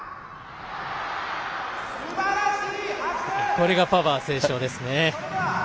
これがパワー斉唱ですね。